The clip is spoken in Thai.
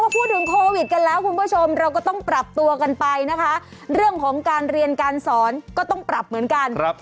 พูดถึงโควิดกันแล้วคุณผู้ชมเราก็ต้องปรับตัวกันไปนะคะเรื่องของการเรียนการสอนก็ต้องปรับเหมือนกัน